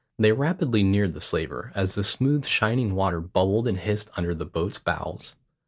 They rapidly neared the slaver, as the smooth shining water bubbled and hissed under the boats' bows.